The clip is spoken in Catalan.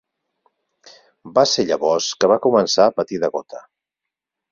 Va ser llavors que va començar a patir de gota.